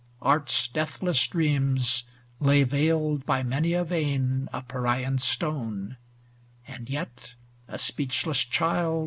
Art's deathless dreams lay veiled by many a vein Of Parian stone ; and, yet a speechless child.